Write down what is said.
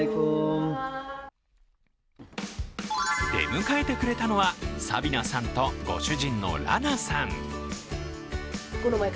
出迎えてくれたのはサビナさんとご主人のラナさん。